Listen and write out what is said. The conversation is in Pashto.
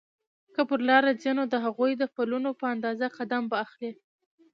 که پر لاره ځې نو د هغوی د پلونو په اندازه قدم به اخلې.